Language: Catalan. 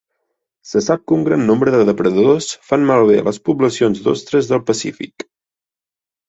Se sap que un gran nombre de depredadors fan malbé les poblacions d'ostres del Pacífic.